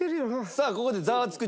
さあここでザワつく！